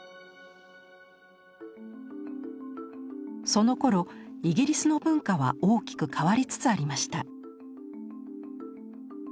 そのころイギリスの文化は大きく変わりつつありました。